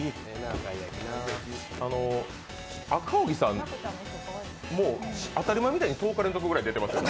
赤荻さん、もう当たり前みたいに１０日連続で出てますね。